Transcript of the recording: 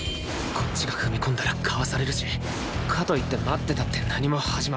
こっちが踏み込んだらかわされるしかといって待ってたって何も始まらない